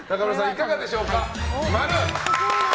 いかがでしょうか。